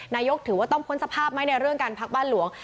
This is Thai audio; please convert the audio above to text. นายกถือว่าต้องพ้นสภาพไหมในเรื่องการพักบ้านหลวง